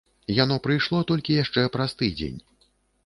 Яно прыйшло толькі яшчэ праз тыдзень.